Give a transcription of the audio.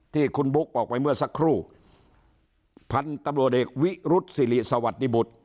ที่คุณบุ๊กบอกไปเมื่อสักครู่พันธุ์ตำรวจเอกวิรุษศิริสวัสดิบุตร